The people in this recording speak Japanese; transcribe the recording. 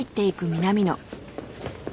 南野。